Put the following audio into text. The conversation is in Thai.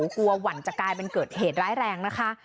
กลัวหวั่นจะกลายเป็นเกิดเหตุร้ายแรงนะคะ